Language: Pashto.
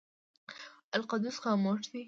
القدس خاموشه دی.